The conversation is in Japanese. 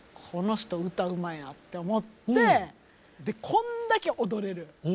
この人歌うまいなって思ってこんだけ踊れる。